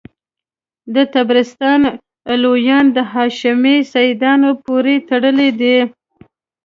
د طبرستان علویان د هاشمي سیدانو پوري تړلي دي.